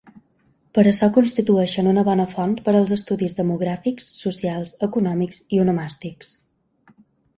Per això constitueixen una bona font per als estudis demogràfics, socials, econòmics i onomàstics.